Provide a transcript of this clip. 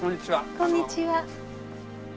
こんにちは。